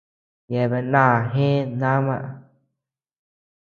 Yebean naa jee naama.